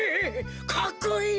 かっこいい？